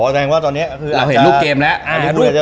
แสดงว่าตอนนี้คือเราเห็นรูปเกมแล้ว